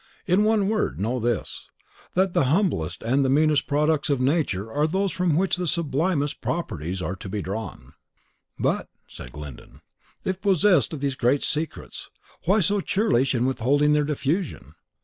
In one word, know this, that the humblest and meanest products of Nature are those from which the sublimest properties are to be drawn." "But," said Glyndon, "if possessed of these great secrets, why so churlish in withholding their diffusion?